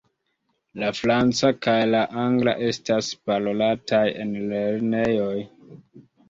La franca kaj la angla estas parolataj en lernejoj.